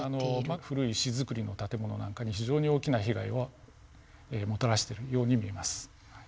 古い石造りの建物なんかに非常に大きな被害をもたらしてるように見えます。